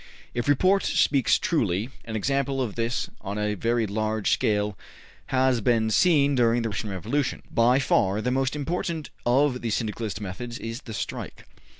If report speaks truly, an example of this on a very large scale has been seen during the Russian Revolution. By far the most important of the Syndicalist methods is the strike.